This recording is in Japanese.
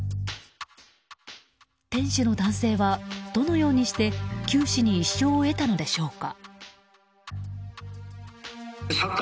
店主の男性はどのようにして九死に一生を得たのでしょうか。